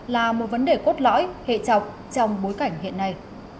là một vấn đề cốt lõi hệ trọc trong bối cảnh hiện nay